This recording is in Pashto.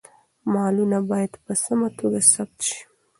مالونه باید په سمه توګه ثبت شي.